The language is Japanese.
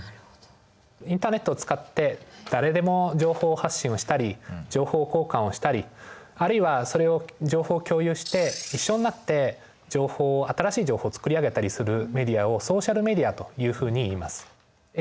インターネットを使って誰でも情報発信をしたり情報交換をしたりあるいはそれを情報を共有して一緒になって情報を新しい情報を作り上げたりするメディアをソーシャルメディアというふうにいいます。